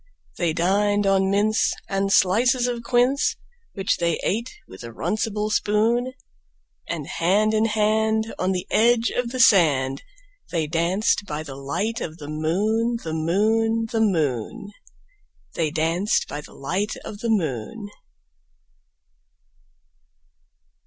They dined on mince and slices of quince, Which they ate with a runcible spoon; And hand in hand, on the edge of the sand, They danced by the light of the moon, The moon, The moon, They danced by the light of the moon.